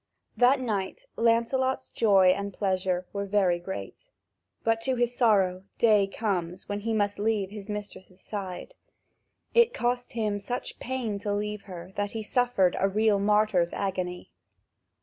That night Lancelot's joy and pleasure were very great. But, to his sorrow, day comes when he must leave his mistress' side. It cost him such pain to leave her that he suffered a real martyr's agony.